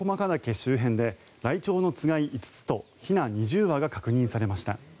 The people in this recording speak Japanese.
周辺でライチョウのつがい５つとひな２０羽が確認されました。